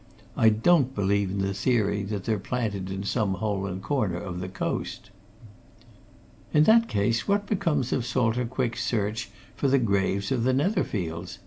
I don't believe in the theory that they're planted in some hole and corner of the coast." "In that case, what becomes of Salter Quick's search for the graves of the Netherfields?"